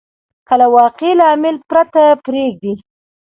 که له واقعي لامل پرته پرېږدي.